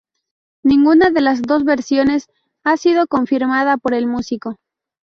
Ninguna de las dos versiones ha sido confirmada por el músico.